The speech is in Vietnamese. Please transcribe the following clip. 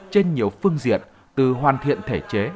trên nhiều phương diện từ hoàn thiện thể chế